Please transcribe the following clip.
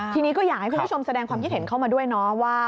ทีนี้ก็อยากให้คุณผู้ชมแสดงความคิดเห็นเข้ามาด้วยเนาะว่า